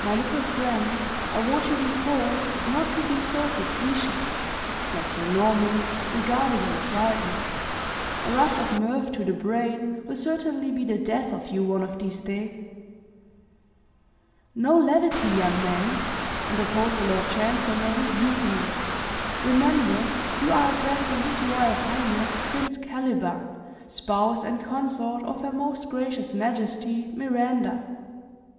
"My little friend I warned you before not to be so facetious," said Sir Norman, regarding him quietly; "a rush of mirth to the brain will certainly be the death of you one of these day." "No levity, young man!" interposed the lord chancellor, rebukingly; "remember, you are addressing His Royal Highness Prince Caliban, Spouse, and Consort of Her Most Gracious Majesty, Miranda!"